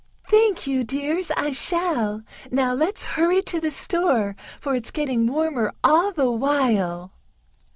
"Thank you, dear, I shall. Now let's hurry to the store, for it's getting warmer all the while."